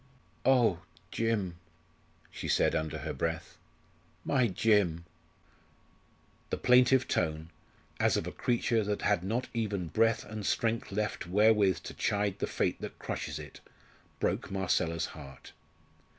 "Oh, Jim!" she said, under her breath "my Jim!" The plaintive tone as of a creature that has not even breath and strength left wherewith to chide the fate that crushes it broke Marcella's heart.